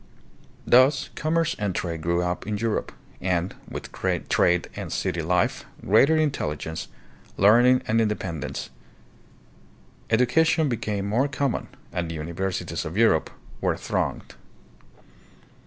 Thus commerce and trade grew up in Europe, and, with trade and city life, greater intelligence, learning, and independence. Education became more common, and the universities of Europe were thronged.